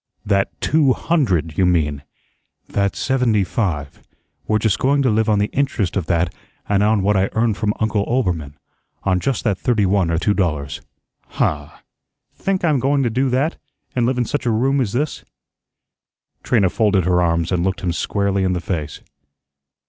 "That TWO hundred, you mean." "That SEVENTY FIVE. We're just going to live on the interest of that and on what I earn from Uncle Oelbermann on just that thirty one or two dollars." "Huh! Think I'm going to do that, an' live in such a room as this?" Trina folded her arms and looked him squarely in the face.